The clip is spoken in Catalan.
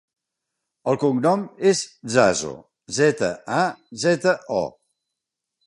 El cognom és Zazo: zeta, a, zeta, o.